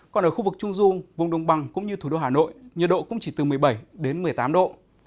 còn ở khu vực trung du vùng đông băng cũng như thủ đô hà nội nhiệt độ cũng chỉ từ một mươi bảy một mươi tám độ